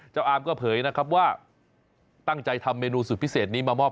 อาร์มก็เผยนะครับว่าตั้งใจทำเมนูสุดพิเศษนี้มามอบ